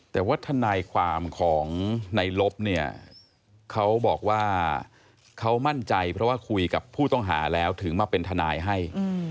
แต่ว่าทนายความของในลบเนี่ยเขาบอกว่าเขามั่นใจเพราะว่าคุยกับผู้ต้องหาแล้วถึงมาเป็นทนายให้